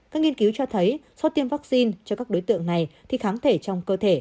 các nghiên cứu cho thấy sau tiêm vaccine cho các đối tượng này thì kháng thể trong cơ thể